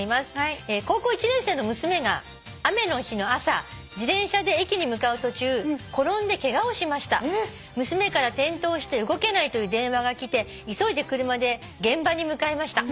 「高校１年生の娘が雨の日の朝自転車で駅に向かう途中転んでケガをしました」「娘から転倒して動けないという電話が来て急いで車で現場に向かいました」